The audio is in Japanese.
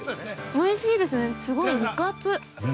おいしいですね、すごい肉厚。